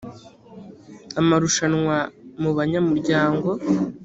amarushanwa mu banyamuryango